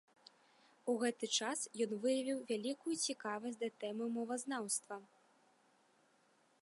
У гэты час ён выявіў вялікую цікавасць да тэмы мовазнаўства.